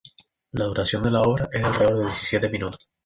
La duración de la obra es de alrededor de diecisiete minutos.